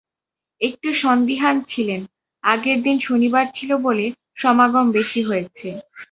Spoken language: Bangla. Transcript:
একটু সন্দিহান ছিলেন, আগের দিন শনিবার ছিল বলে সমাগম বেশি হয়েছে।